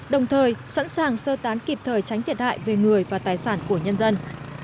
đồng thời sẵn sàng sơ tán kịp thời tránh thiệt hại về người và tài sản của nhân dân